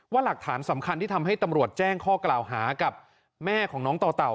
หลักฐานสำคัญที่ทำให้ตำรวจแจ้งข้อกล่าวหากับแม่ของน้องต่อเต่า